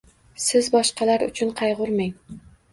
Siz boshqalar uchun qayg’urmang